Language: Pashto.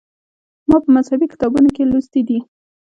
ما په مذهبي کتابونو کې لوستي و.